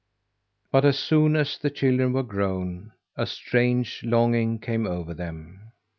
But as soon as the children were grown, a strange longing came over them.